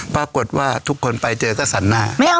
ปรากฏว่าทุกคนไปเจอก็สันหน้า